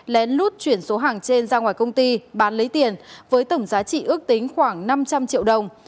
lén lút chuyển số hàng trên ra ngoài công ty bán lấy tiền với tổng giá trị ước tính khoảng năm trăm linh triệu đồng